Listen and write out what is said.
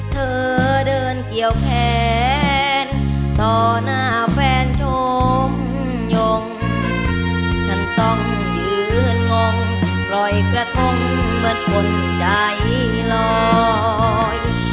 เธอเดินเกี่ยวแขนต่อหน้าแฟนชมยงฉันต้องยืนงงปล่อยกระทงเหมือนคนใจลอย